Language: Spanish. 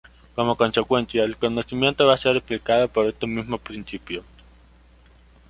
Como consecuencia, el conocimiento va a ser explicado por este mismo principio.